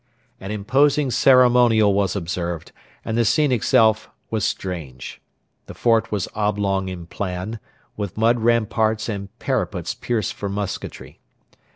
An imposing ceremonial was observed, and the scene itself was strange. The fort was oblong in plan, with mud ramparts and parapets pierced for musketry.